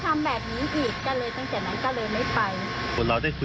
ใช่คิดว่าเป็นการรักษาของแหมว